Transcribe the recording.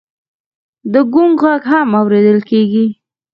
د ګونګ غږ هم اورېدل کېږي.